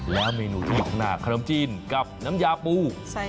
แล้วเมนูที่อยู่ข้างหน้าขนมจีนกับน้ำยาปู